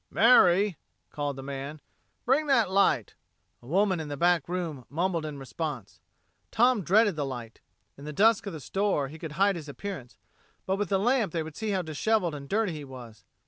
"Mary," called the man, "bring that light." A woman in the back room mumbled in response. Tom dreaded the light. In the dusk of the store he could hide his appearance, but with the lamp they would see how disheveled and dirty he was.